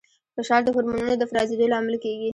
فشار د هورمونونو د افرازېدو لامل کېږي.